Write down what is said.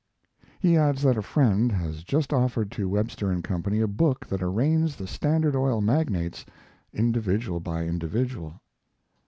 He adds that a friend has just offered to Webster & Co. a book that arraigns the Standard Oil magnates individual by individual.